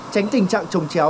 tránh tình trạng trồng chéo